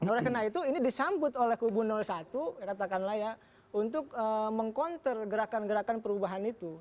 oleh karena itu ini disambut oleh kubu satu katakanlah ya untuk meng counter gerakan gerakan perubahan itu